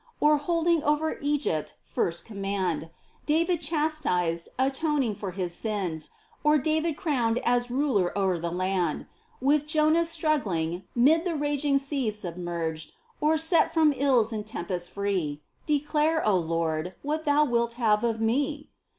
Or holding over Egypt first command ; David chastised, atoning for his sins, Or David crowned as ruler o'er the land ; With Jonas struggling, 'mid the raging sea Submerged, or set from ills and tempests free — Declare, O Lord, what Thou wilt have of me